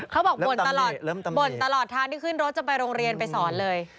เขาบอกบ่นตลอดบ่นตลอดทางที่ขึ้นรถจะไปโรงเรียนไปสอนเลย